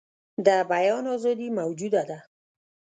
د بیان آزادي موجوده ده.